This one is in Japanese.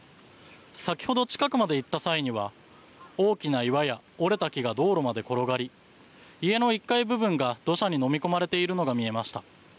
先ほど近くまで行った際には大きな岩や折れた木が道路まで転がり家の１階部分が土砂に飲み込まれているのが見えました。